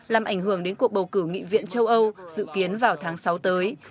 làm ảnh hưởng đến cuộc bầu cử nghị viện châu âu dự kiến vào tháng sáu tới